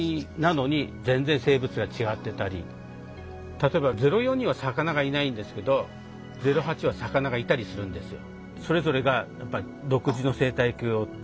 例えば０４には魚がいないんですけど０８は魚がいたりするんですよ。